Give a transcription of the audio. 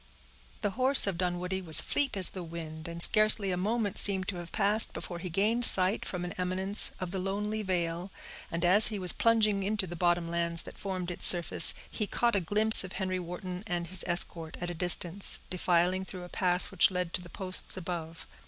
The horse of Dunwoodie was fleet as the wind, and scarcely a minute seemed to have passed before he gained sight, from an eminence, of the lonely vale, and as he was plunging into the bottom lands that formed its surface, he caught a glimpse of Henry Wharton and his escort, at a distance, defiling through a pass which led to the posts above.